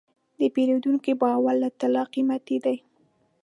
د پیرودونکي باور له طلا قیمتي دی.